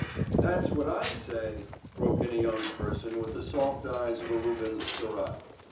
"That's what I say," broke in a young person with the soft eyes of a Rubens' seraph.